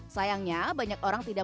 sayangnya banyak orang tidak